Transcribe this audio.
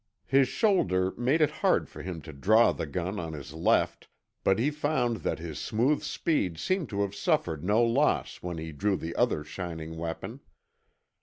His shoulder made it hard for him to draw the gun on his left, but he found that his smooth speed seemed to have suffered no loss when he drew the other shining weapon.